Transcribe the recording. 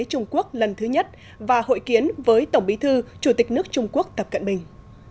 trung quốc lần thứ nhất và hội kiến với tổng bí thư chủ tịch nước trung quốc tập cận bình